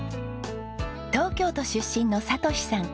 東京都出身の哲さん。